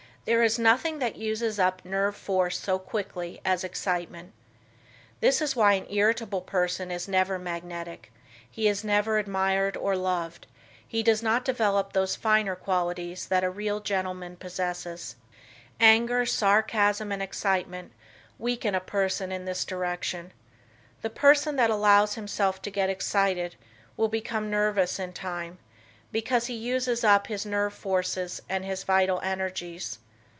There is nothing that uses up nerve force so quickly as excitement. This is why an irritable person is never magnetic; he is never admired or loved; he does not develop those finer qualities that a real gentleman possesses. Anger, sarcasm and excitement weaken a person in this direction. The person that allows himself to get excited will become nervous in time, because he uses up his nerve forces and his vital energies.